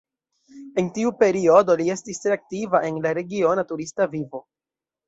En tiu periodo li estis tre aktiva en la regiona turista vivo.